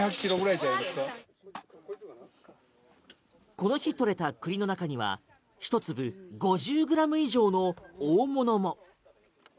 この日取れた栗の中には１粒５０ｇ以上の大物も。